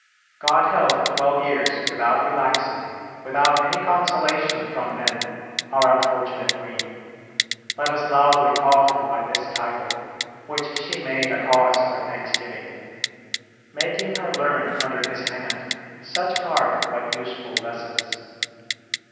God held twelve years, without relaxing, without any consolation from men, our unfortunate Queen (let us loudly call her by this title, which she made a cause for thanksgiving), making her learn under his hand such hard but useful lessons.